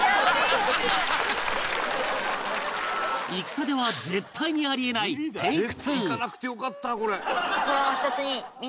戦では絶対にあり得ないテイク２